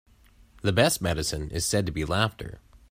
The best medicine is said to be laughter.